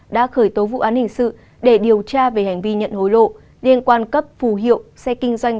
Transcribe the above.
đã khởi tố vụ án hình sự để điều tra về hành vi nhận hối lộ liên quan cấp phù hiệu xe kinh doanh